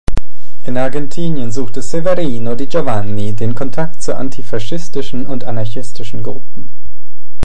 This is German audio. In Argentinien suchte Severino di Giovanni den Kontakt zu antifaschistischen und anarchistischen Gruppen.